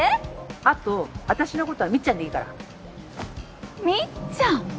あと私のことはみっちゃんでいいからみっちゃん！